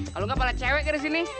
kalau nggak pada cewek ke sini